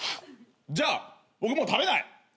じゃあ僕もう食べない。